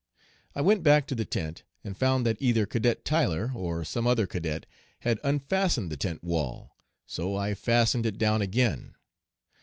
I went back to the tent and found that either Cadet Tyler or some other cadet had unfastened the tent wall, so I fastened it down again.